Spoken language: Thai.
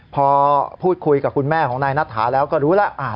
พอพูดคุยกับคุณแม่ของนายนัทธาแล้วก็รู้แล้ว